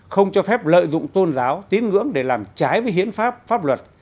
không cho phép lợi dụng tôn giáo tín ngưỡng để làm trái với hiến pháp pháp luật